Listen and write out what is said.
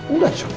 udah it's okay